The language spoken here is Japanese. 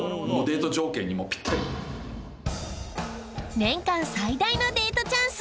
年間最大のデートチャンス。